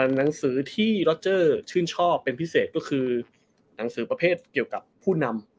หนังสือที่ล็อเจอร์ชื่นชอบเป็นพิเศษก็คือหนังสือประเภทเกี่ยวกับผู้นำ